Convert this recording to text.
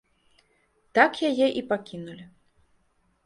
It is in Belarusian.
Так яе і пакінулі.